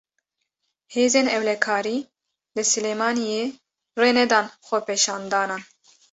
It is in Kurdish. Hêzên Ewlekarî, li Silêmaniyê rê nedan xwepêşandanan